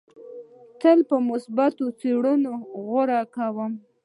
تل په مثبتو څیزونو غور کوم.